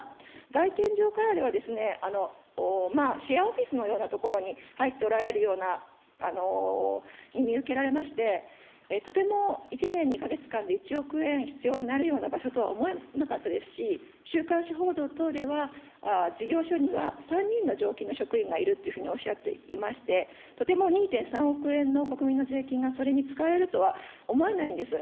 外見上からでは、シェアオフィスのような所に入っておられるように見受けられまして、とても１年２か月間で１億円必要になるような場所とは思えなかったですし、週刊誌報道等では、事業所には３人の常勤の職員がいるというふうにおっしゃっていまして、とても２．３億円の国民の税金がそれに使われるとは思わないんです。